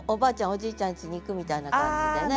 おじいちゃんちに行くみたいな感じでね。